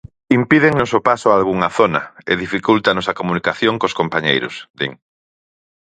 "Impídennos o paso a algunha zona e dificúltannos a comunicación cos compañeiros", din.